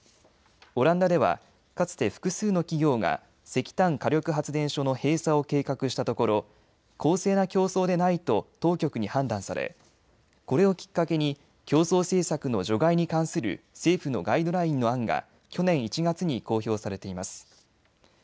オランダではかつて複数の企業が石炭火力発電所の閉鎖を計画したところ公正な競争でないと当局に判断されこれをきっかけに競争政策の除外に関する政府のガイドラインの案が去年１月に公表されています。